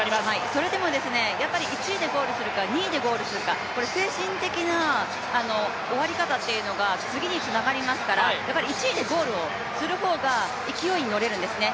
それでも１位でゴールするか２位でゴールするか、精神的な終わり方というのが次につながりますから１位でゴールをする方が勢いに乗れるんですね。